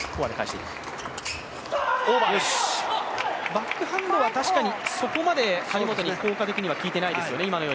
バックハンドは確かにそこまで張本に効果的にはきいていないですよね。